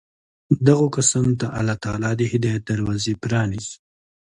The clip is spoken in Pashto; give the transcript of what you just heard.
دغو كسانو ته الله تعالى د هدايت دروازې پرانېزي